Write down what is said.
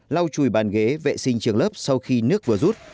lau chùi bàn ghế vệ sinh trường lớp sau khi nước vừa rút